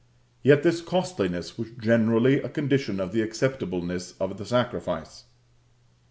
Yet this costliness was generally a condition of the acceptableness of the sacrifice.